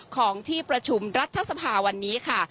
ของที่ประชุมรัฐสภาวันนี้ค่ะ